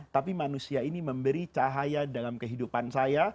tapi manusia ini memberi cahaya dalam kehidupan saya